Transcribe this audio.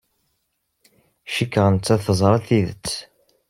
Cikkeɣ nettat teẓra tidet.